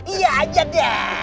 iya aja deh